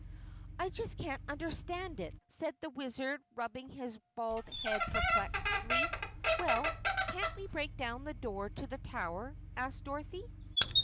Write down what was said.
"I just can't understand it," said the Wizard rubbing his bald head in perplexity. "Well, can't we break down the door to the tower?" asked Dorothy.